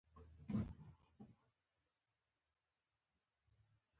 منتخبي کمېټې نه غوښتل عسکر تر سراج پور تېر کړي.